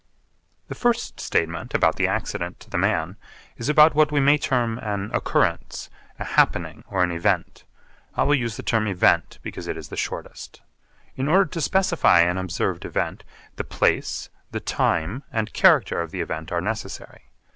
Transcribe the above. The first statement about the accident to the man is about what we may term an 'occurrence,' a 'happening,' or an 'event.' I will use the term 'event' because it is the shortest. In order to specify an observed event, the place, the time, and character of the event are necessary.